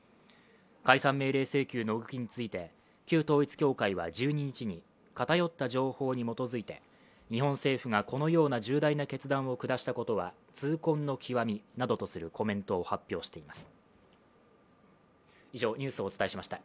解散命令請求の動きについて旧統一教会は１２日に偏った情報に基づいて日本政府がこのような重大な決断を下したことは痛恨の極みなどとするコメントを発表しています。